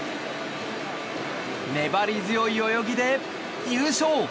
粘り強い泳ぎで優勝。